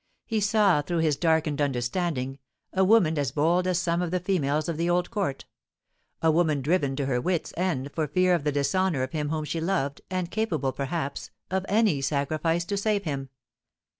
He saw, through his darkened understanding, a woman as bold as some of the females of the old court, a woman driven to her wits' end for fear of the dishonour of him whom she loved, and capable, perhaps, of any sacrifice to save him.